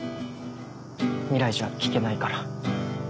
未来じゃ聴けないから。